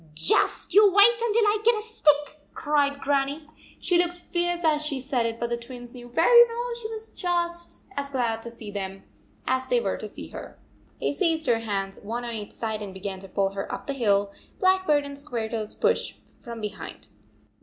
" Just you wait until I get a stick," cried Grannie. She looked fierce as she said it, but the Twins knew very well she was just as glad to see them as they were to see her. They seized her hands, one on each side, and began to pull her up the hill. Blackbird and Squaretoes pushed from behind.